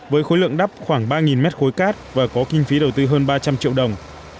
với khối lượng đắp khoảng ba mét khối cát và có kinh phí đầu tư hơn ba trăm linh triệu đồng